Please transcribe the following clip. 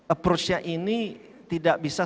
approach nya ini tidak bisa